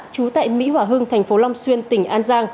trú tại mỹ hòa hưng thành phố long xuyên tỉnh an giang